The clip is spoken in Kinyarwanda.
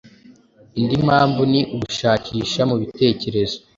Indi mpamvu ni ugushakisha mu bitekerezo.